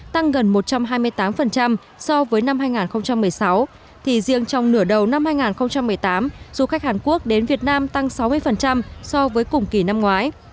tăng gần một trăm hai mươi tám so với năm hai nghìn một mươi sáu thì riêng trong nửa đầu năm hai nghìn một mươi tám du khách hàn quốc đến việt nam tăng sáu mươi so với cùng kỳ năm ngoái